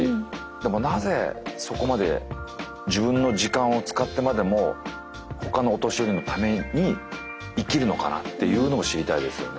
でもなぜそこまで自分の時間を使ってまでも他のお年寄りのために生きるのかなっていうのを知りたいですよね。